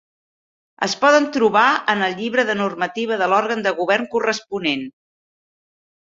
Es poden trobar en el llibre de normativa de l'òrgan de govern corresponent.